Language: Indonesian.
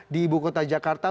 di ibu kota jakarta